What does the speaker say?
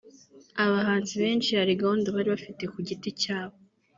abahanzi benshi hari gahunda bari bafite ku giti cyabo